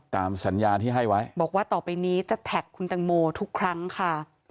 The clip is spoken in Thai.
ตามสัญญาที่ให้ไว้บอกว่าต่อไปนี้จะแท็กคุณตังโมทุกครั้งค่ะ